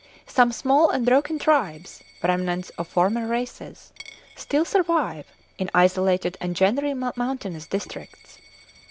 Some small and broken tribes, remnants of former races, still survive in isolated and generally mountainous districts.